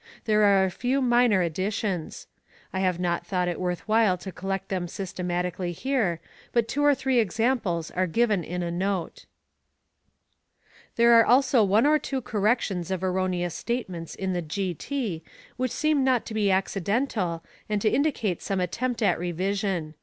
There are a few minor additions. I have not thought it worth while to collect them systematically here, but two or three examples are given in a note.* There are also one or two corrections of erroneous statements in the G. T. which seem not to be accidental and to indicate some attempt at revision.